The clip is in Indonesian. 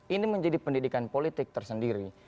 ini menjadi pendidikan politik tersendiri